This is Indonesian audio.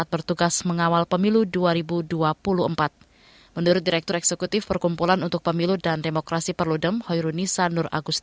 pertama kali kita berkahwin